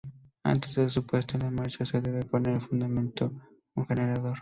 Antes de su puesta en marcha se debe poner en funcionamiento un generador.